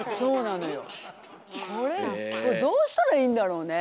これどうしたらいいんだろうね？